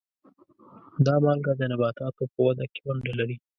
دا مالګه د نباتاتو په وده کې ونډه لري.